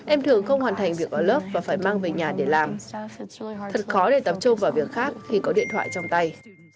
em thường không hoàn thành việc ở lớp và phải mang về nhà để làm thật khó để tập trung vào việc khác khi có điện thoại trong tay